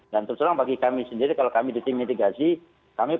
dan terutama bagi kami sendiri kalau kami di tim mitigasi